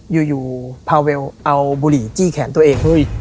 อยู่พาเวลเอาบุหรี่จี้แขนตัวเองเฮ้ย